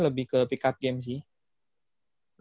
lebih ke pickup game sih